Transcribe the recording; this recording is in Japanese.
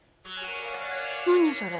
何それ？